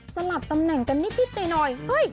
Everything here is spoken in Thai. สลับตำแหน่งกันนิดหน่อย